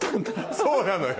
そうなのよ。